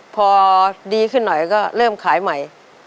พอดีขึ้นหน่อยก็เริ่มขายใหม่